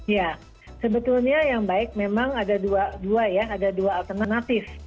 ya sebetulnya yang baik memang ada dua alternatif